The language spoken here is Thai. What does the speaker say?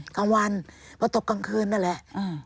กลางวันพอตกกลางคืนนั่นแหละ